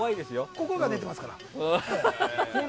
心から出てますから。